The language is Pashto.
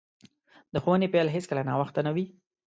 د ښوونې پیل هیڅکله ناوخته نه وي.